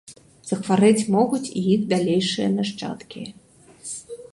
Захварэць могуць і іх далейшыя нашчадкі.